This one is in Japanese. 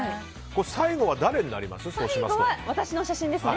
最後は誰になります？